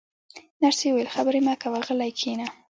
نرسې وویل: خبرې مه کوه، غلی کښېنه.